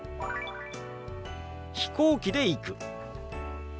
「飛行機で行く」。